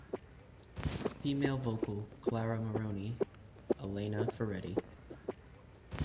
Female Vocal: Clara Moroni, Elena Ferretti.